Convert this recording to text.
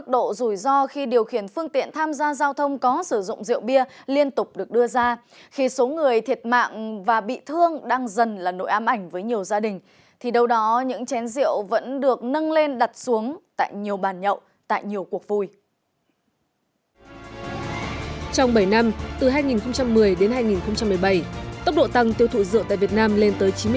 trong bảy năm từ hai nghìn một mươi đến hai nghìn một mươi bảy tốc độ tăng tiêu thụ rượu tại việt nam lên tới chín mươi